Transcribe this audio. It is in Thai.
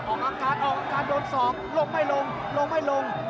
ออกอาการออกอาการโดนศอกลงไม่ลงลงไม่ลง